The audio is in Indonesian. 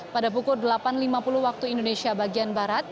pada pukul delapan lima puluh waktu indonesia